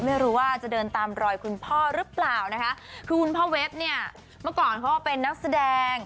ไม่รู้ว่าจะเดินตามรอยคุณพ่อหรือเปล่านะคะคือคุณพ่อเว็บเนี่ยเมื่อก่อนเขาก็เป็นนักแสดง